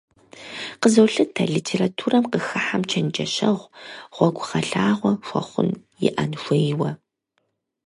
Къызолъытэ, литературэм къыхыхьэм чэнджэщэгъу, гъуэгугъэлъагъуэ хуэхъун иӀэн хуейуи.